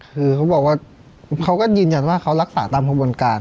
คือเขาบอกว่าเขาก็ยืนยันว่าเขารักษาตามกระบวนการ